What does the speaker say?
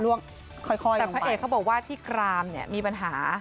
ล่วงค่อยลงไปแต่พระเอกเขาบอกว่าที่กรามเนี่ยมีปัญหา